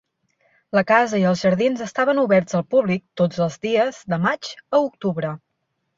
La casa i els jardins estan oberts al públic tots els dies, de maig a octubre.